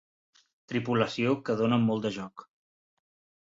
Tripulació que dóna molt de joc.